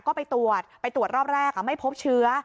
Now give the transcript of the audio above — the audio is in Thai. ก็ไปตรวจไปตรวจรอบแรกไม่พบเชื้อ